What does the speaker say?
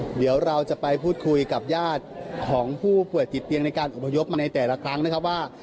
เดี๋ยวเราจะไปพูดคุยกับญาติของผู้ป่วยติดเตียงในการอพยพมาในแต่ละครั้งนะครับว่า